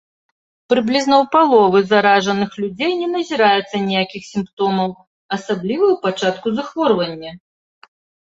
Прыблізна ў паловы заражаных людзей не назіраецца ніякіх сімптомаў, асабліва ў пачатку захворвання.